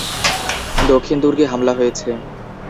দক্ষিণ দুর্গে হামলা হয়েছে!